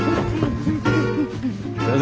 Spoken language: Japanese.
先生。